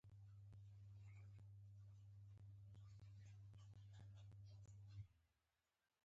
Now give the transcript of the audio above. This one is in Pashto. د لوړ عاید لرونکو خلکو له مالیاتو بیاوېشنه محدودېږي.